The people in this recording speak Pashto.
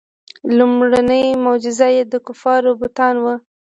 لومړنۍ معجزه یې د کفارو بتان وو.